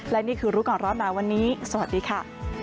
และนี่คือรู้ก่อนร้อนหนาวันนี้สวัสดีค่ะ